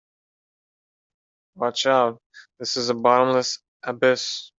Watch out, this is a bottomless abyss!